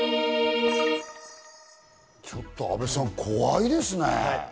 ちょっと阿部さん、怖いですね。